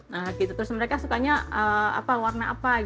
nah gitu terus mereka sukanya warna apa